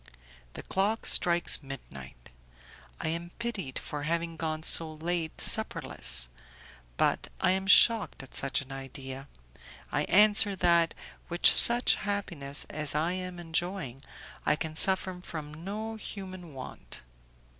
The clock strikes midnight; I am pitied for having gone so late supperless, but I am shocked at such an idea; I answer that, with such happiness as I am enjoying, I can suffer from no human want.